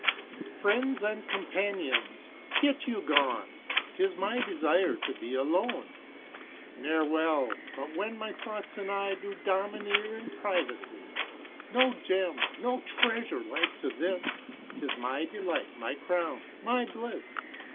Friends and companions get you gone, 'Tis my desire to be alone; Ne'er well but when my thoughts and I Do domineer in privacy. No Gem, no treasure like to this, 'Tis my delight, my crown, my bliss.